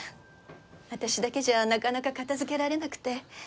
私だけじゃなかなか片付けられなくて。